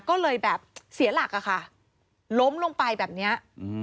ก็เลยแบบเสียหลักอะค่ะล้มลงไปแบบนี้